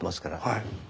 はい。